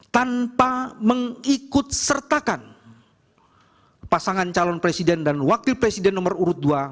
tanpa mengikut sertakan pasangan calon presiden dan wakil presiden nomor urut dua